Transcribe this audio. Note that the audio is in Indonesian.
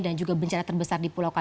dan juga bencana